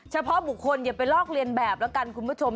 เฉพาะบุคคลอย่าไปลอกเรียนแบบแล้วกันคุณผู้ชม